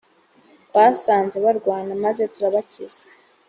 twasanze barwana maze turabakiza